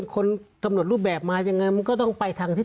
คนกำหนดรูปแบบมายังไงมันก็ต้องไปทางทิศ